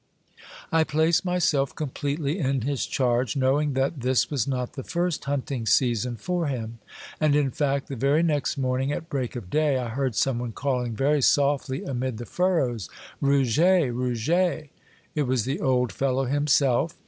I placed myself completely in his charge, know ing that this was not the first hunting season for him. And, in fact, the very next morning, at break of day, I heard some one caUing very softly amid the furrows, —" Rouget, Rouget !" It was the old fellow himself.